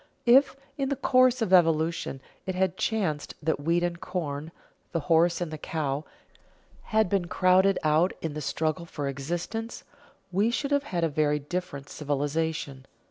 If, in the course of evolution, it had chanced that wheat and corn, the horse and the cow, had been crowded out in the struggle for existence, we should have had a very different civilization.